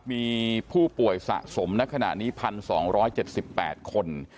มีผู้ป่วยสะสมในขณะนี้๑๒๗๘คน